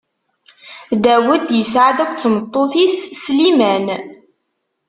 Dawed isɛa-d akked tmeṭṭut-is Sliman.